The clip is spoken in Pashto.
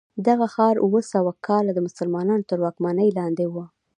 دغه ښار اوه سوه کاله د مسلمانانو تر واکمنۍ لاندې و.